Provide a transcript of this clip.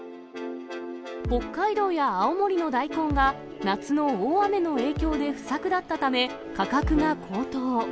北海道や青森の大根が、夏の大雨の影響で不作だったため、価格が高騰。